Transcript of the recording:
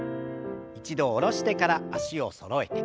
一度下ろしてから脚をそろえて。